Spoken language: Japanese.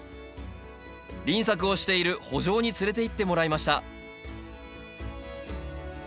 輪作をしている圃場に連れていってもらいました